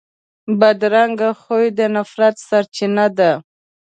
بدرنګه خوی د نفرت سرچینه ده